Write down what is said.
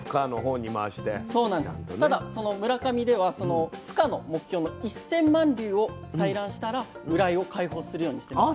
ただ村上ではそのふ化の目標の１，０００万粒を採卵したらウライを開放するようにしてます。